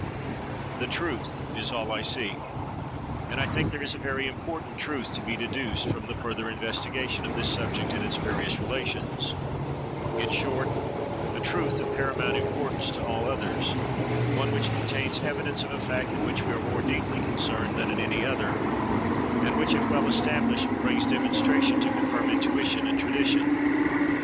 The truth is all I seek; and I think there is a very important truth to be deduced from the further investigation of this subject in its various relations—in short, a truth of paramount importance to all others; one which contains evidence of a fact in which we are more deeply concerned than in any other, and which, if well established, brings demonstration to confirm intuition and tradition.